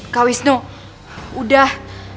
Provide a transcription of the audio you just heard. kak wisnu udah